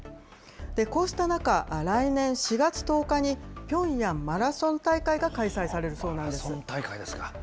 こうした中、来年４月１０日にピョンヤンマラソン大会が開催されるそうなんでマラソン大会ですか。